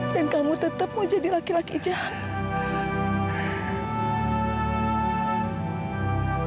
dan kamu tetap mau jadi laki laki jahat